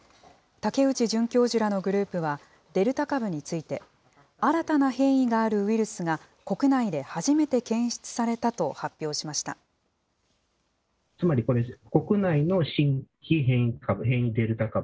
武内准教授らのグループは、デルタ株について、新たな変異があるウイルスが国内で初めて検出されたと発表しました。